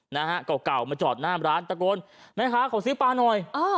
เมื่อกล่ามมารอดจอดหน้าห้องร้านทะโกนแม่ค้าขอซื้อปลาหน่อย